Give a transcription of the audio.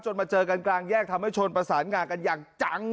มาเจอกันกลางแยกทำให้ชนประสานงากันอย่างจัง